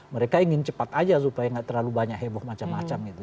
mereka ingin cepat aja supaya nggak terlalu banyak heboh macam macam gitu